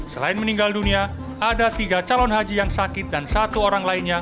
selain meninggal dunia ada tiga calon haji yang sakit dan satu orang lainnya